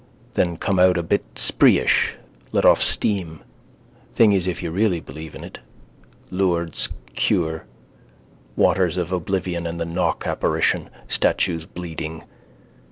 Then come out a bit spreeish. Let off steam. Thing is if you really believe in it. Lourdes cure, waters of oblivion, and the Knock apparition, statues bleeding.